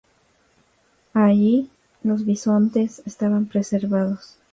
Allí, los bisontes estaban preservados.